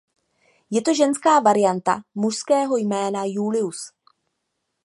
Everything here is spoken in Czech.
Je to ženská varianta mužského jména Julius.